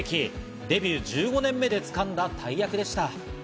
デビュー１５年目で掴んだ大役でした。